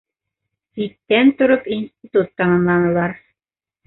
Ситтән тороп институт тамамланылар.